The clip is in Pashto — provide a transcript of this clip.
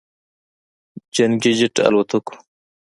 جنګي جت الوتکو